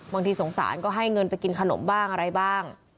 บางทีสงสารก็ให้เงินไปกินขนมบ้างอะไรบ้าง